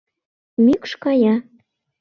Мӱкш кая.